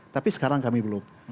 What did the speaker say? tapi sekarang kami belum